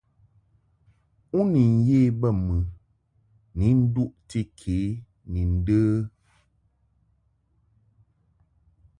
U ni ye bə mɨ ni nduʼti ke ni ndə ?